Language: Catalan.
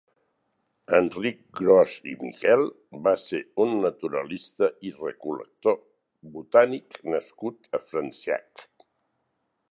Enric Gros i Miquel va ser un naturalista i recol·lector botànic nascut a Franciac.